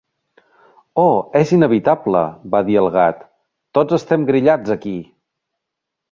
"Oh, és inevitable", va dir el Gat: "tots estem grillats aquí".